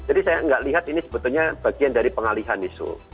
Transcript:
jadi saya nggak lihat ini sebetulnya bagian dari pengalihan isu